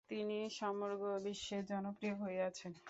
তিনি সমগ্র বিশ্বে জনপ্রিয় হয়ে আছেন।